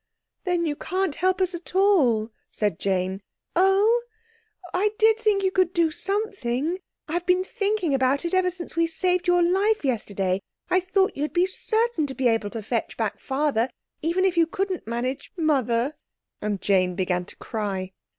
"Then you can't help us at all," said Jane; "oh—I did think you could do something; I've been thinking about it ever since we saved your life yesterday. I thought you'd be certain to be able to fetch back Father, even if you couldn't manage Mother." And Jane began to cry.